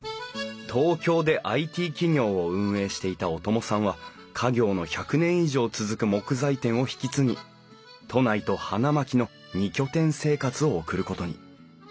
東京でＩＴ企業を運営していた小友さんは家業の１００年以上続く木材店を引き継ぎ都内と花巻の２拠点生活を送ることに。